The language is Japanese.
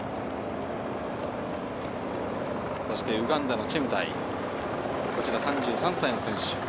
そしてウガンダのチェムタイ、３３歳の選手。